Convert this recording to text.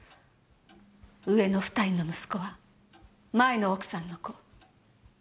上の２人の息子は前の奥さんの子。